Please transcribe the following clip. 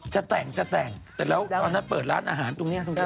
จะแต่งจะแต่งเสร็จแล้วตอนนั้นเปิดร้านอาหารตรงนี้